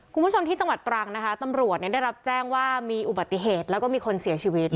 คุณผู้ชมที่จังหวัดตรังนะคะตำรวจได้รับแจ้งว่ามีอุบัติเหตุแล้วก็มีคนเสียชีวิต